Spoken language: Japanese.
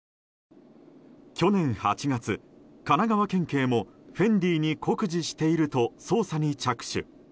去年８月、神奈川県警もＦＥＮＤＩに酷似していると捜査に着手。